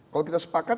kalau kita sepakat